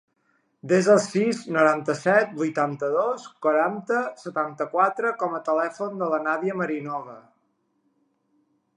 Desa el sis, noranta-set, vuitanta-dos, quaranta, setanta-quatre com a telèfon de la Nàdia Marinova.